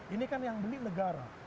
ini kan yang beli negara